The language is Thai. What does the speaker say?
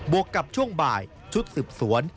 วกกับช่วงบ่ายชุดสืบสวน